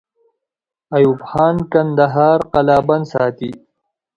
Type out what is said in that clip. ایوب خان کندهار قلابند ساتي.